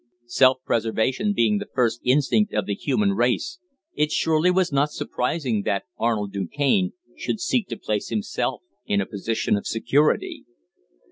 Self preservation being the first instinct of the human race, it surely was not surprising that Arnold Du Cane should seek to place himself in a position of security.